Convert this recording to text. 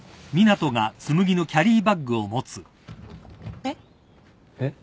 えっ？えっ？